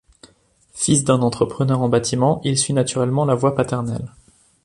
Fils d'un entrepreneur en bâtiment, il suit naturellement la voie paternelle.